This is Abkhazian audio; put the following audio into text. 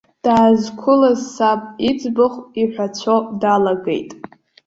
Даазқәылаз саб иӡбахә иҳәацәо далагеит.